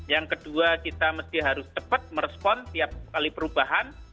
yang kedua kita harus cepat merespon setiap kali perubahan